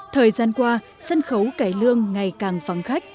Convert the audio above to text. thời gian qua sân khấu cải lương ngày càng phóng khách